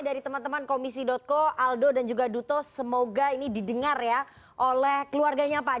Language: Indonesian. dari teman teman komisi co aldo dan juga duto semoga ini didengar ya oleh keluarganya pak